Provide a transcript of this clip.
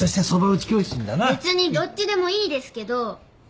別にどっちでもいいですけど。